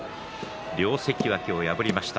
両関脇を破りました。